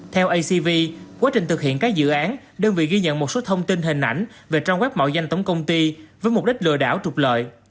theo acv quá trình thực hiện các dự án đơn vị ghi nhận một số thông tin hình ảnh về trang web mạo danh tổng công ty với mục đích lừa đảo trục lợi